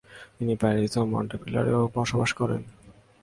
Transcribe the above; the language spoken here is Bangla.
তিনি প্যারিস এবং মন্টেপিলার-এও বসবাস করেন।